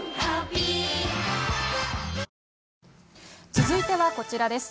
続いてはこちらです。